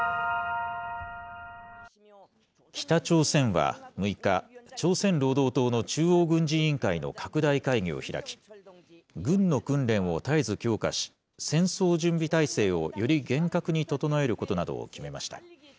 北朝鮮は６日、朝鮮労働党の中央軍事委員会の拡大会議を開き、軍の訓練を絶えず強化し、戦争準備態勢を、より厳格に整えることなどを決めました。